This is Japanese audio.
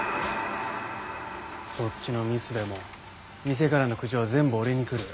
そっちのミスでも店からの苦情は全部俺に来る。